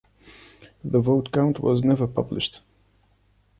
The vote count was never published.